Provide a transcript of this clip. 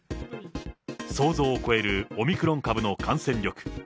想像を超えるオミクロン株の感染力。